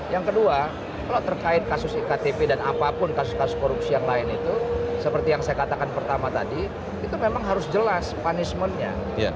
yang kedua kalau terkait kasus iktp dan apapun kasus kasus korupsi yang lain itu seperti yang saya katakan pertama tadi itu memang harus jelas punishmentnya